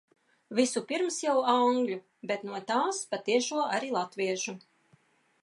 Visupirms jau angļu, bet no tās pa tiešo arī latviešu.